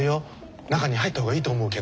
中に入った方がいいと思うけど。